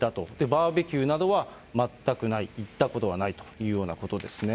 バーベキューなどは全くない、行ったことはないということですね。